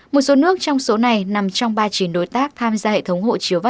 một số nước trong số này nằm trong ba chiến đối tác tham gia hệ thống